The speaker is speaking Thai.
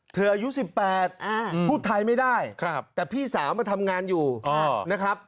อายุ๑๘พูดไทยไม่ได้แต่พี่สาวมาทำงานอยู่นะครับ